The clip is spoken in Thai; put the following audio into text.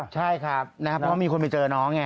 ใช่ครับนะครับเพราะว่ามีคนไปเจอน้องไง